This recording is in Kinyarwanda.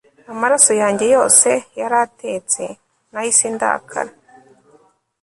amaraso yanjye yose yari atetse; nahise ndakara